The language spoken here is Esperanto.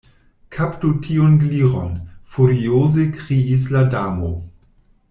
"Kaptu tiun Gliron," furioze kriis la Damo.